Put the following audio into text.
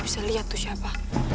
gue bisa liat tuh siapa